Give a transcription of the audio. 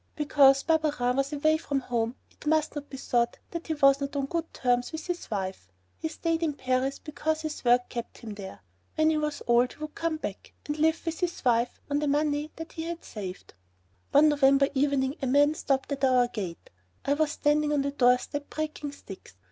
Because Barberin was away from home it must not be thought that he was not on good terms with his wife. He stayed in Paris because his work kept him there. When he was old he would come back and live with his wife on the money that he had saved. One November evening a man stopped at our gate. I was standing on the doorstep breaking sticks.